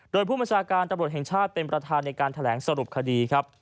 โดยผู้บัญชาการตำรวจแห่งชาติเป็นประธานในการแถลงสรุปคดีครับ